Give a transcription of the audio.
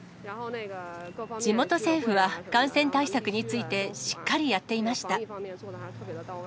地元政府は感染対策について、しっかりやっていました。